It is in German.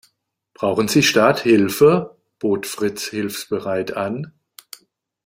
Brauchen Sie Starthilfe?, bot Fritz hilfsbereit an.